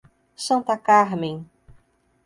Santa Carmem